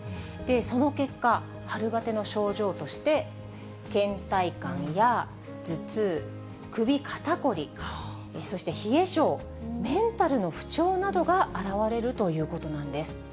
その結果、春バテの症状として、けん怠感や頭痛、首肩凝り、そして冷え症、メンタルの不調などが現れるということなんです。